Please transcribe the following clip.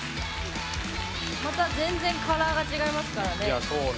また、全然カラーが違いますからね。